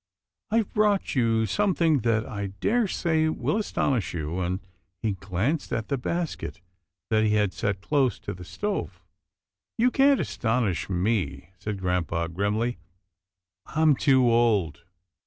I have brought you some thing that I daresay will astonish you," and he glanced at the basket that he had set close to the stove. " You can't astonish me," said grampa grimly, " I'm too old."